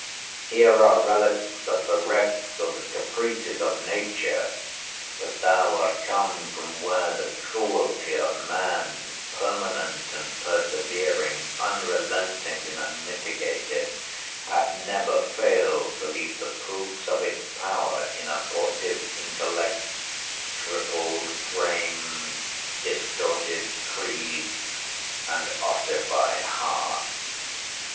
Here are relics of the wrecks or the caprices of nature, but thou art come from where the cruelty of man, permanent and persevering, unrelenting and unmitigated, hath never failed to leave the proofs of its power in abortive intellects, crippled frames, distorted creeds, and ossified hearts.